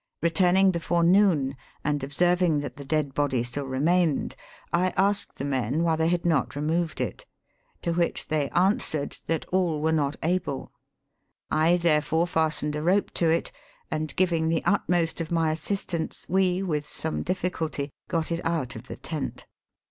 Returning before uoon, and observing that the dead body still remained, I asked the men why they had not removed it : to which they answered, that all were not able. I therefore fastened a rope to it, and, giving the utmost of my assistance, we, with some difh'eulty, got it out of the tent.